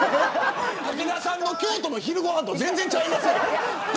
武田さんの京都の昼ご飯と全然ちゃいますやん。